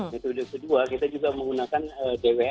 metode kedua kita juga menggunakan dws yang ada di dki